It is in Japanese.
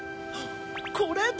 これだ！